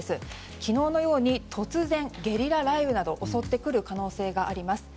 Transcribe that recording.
昨日のように突然、ゲリラ雷雨などが襲ってくる可能性があります。